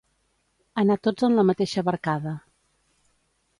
Anar tots en la mateixa barcada.